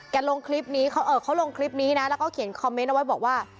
ลงคลิปนี้เขาลงคลิปนี้นะแล้วก็เขียนคอมเมนต์เอาไว้บอกว่า